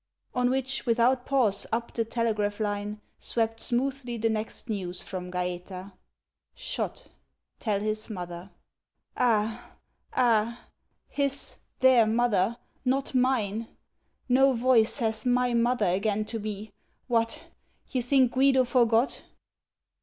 On which without pause up the telegraph line Swept smoothly the next news from Gaëta: "Shot. Tell his mother." Ah, ah, "his," "their" mother; not "mine." No voice says "my mother" again to me. What! You think Guido forgot?